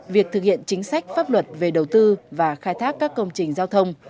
việc thực hiện chính sách pháp luật về đầu tư và khai thác các công trình giao thông